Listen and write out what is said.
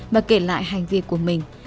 và kể lại hành vi của mình